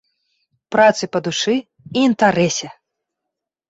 Працы па душы і інтарэсе!